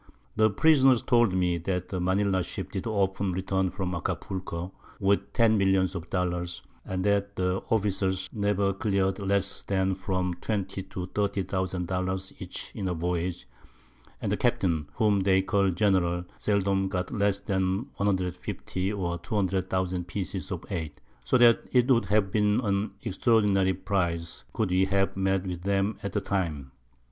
The Prisoners told me, that the Manila Ship did often return from Acapulco, with 10 Millions of Dollars, and that the Officers never clear'd less than from 20 to 30000 Dollars each in a Voyage; and the Captain, whom they call General, seldom got less than 150 or 200000 Pieces of 8; so that it would have been an extraordinary Prize, could we have met with them at the Time.